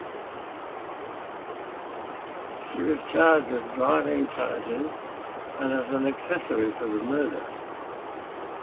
She was charged with driving charges and as an accessory to the murder.